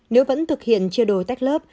nếu vẫn thực hiện chia đổi tách lớp